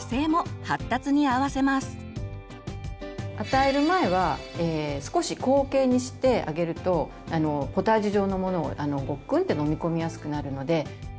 与える前は少し後傾にしてあげるとポタージュ状のものをごっくんって飲み込みやすくなるので。